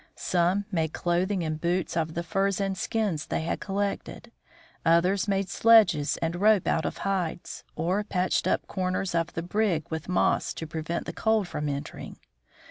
Some made clothing and boots of the furs and skins they had collected ; others made sledges and rope out of hides, or patched up corners of the brig with moss to prevent the cold from entering.